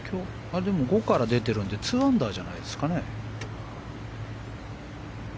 でも、５から出てるので２アンダーじゃないですかね。